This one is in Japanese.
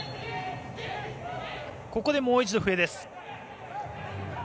ここでもう一度、笛です。